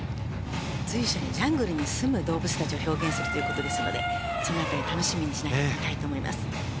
随所にジャングルにすむ動物たちを表現しているということですのでその辺り、楽しみにして見たいと思います。